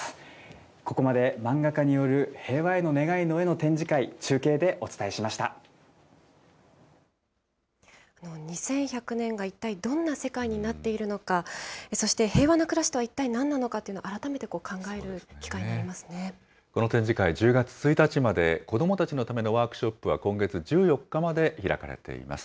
ここまで、漫画家による平和への願いの絵の展示会、中継でお伝え２１００年が一体どんな世界になっているのか、そして平和な暮らしとは一体なんなのかと改めて考える機会になりこの展示会、１０月１日まで、子どもたちのためのワークショップは今月１４日まで開かれています。